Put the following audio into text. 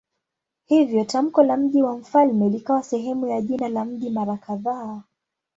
Hivyo tamko la "mji wa mfalme" likawa sehemu ya jina la mji mara kadhaa.